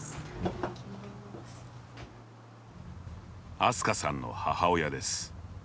あすかさんの母親です。